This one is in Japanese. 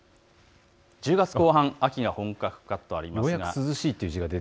１０月後半は秋が本格化とあります。